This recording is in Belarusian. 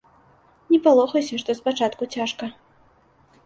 Не палохайся, што спачатку цяжка.